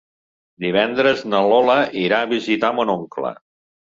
Divendres na Lola irà a visitar mon oncle.